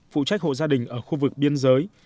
phụ trách hộ gia đình ở khu vực biên giới